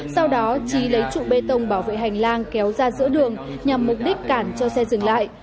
sau đó trí lấy trụ bê tông bảo vệ hành lang kéo ra giữa đường nhằm mục đích cản cho xe dừng lại